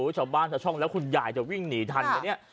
ชาวบ้านจะช่องแล้วคุณใหญ่จะวิ่งหนีทัน